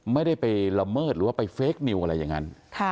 ไม่ได้ไปละเมิดหรือว่าไปเฟคนิวอะไรอย่างนั้น